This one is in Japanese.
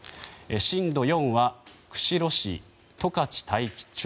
震度４は釧路市、十勝大樹町